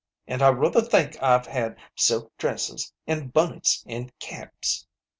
An' I ruther think I've had silk dresses an' bunnits an' caps."